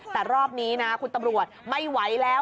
แต่รอบนี้นะคุณตำรวจไม่ไหวแล้ว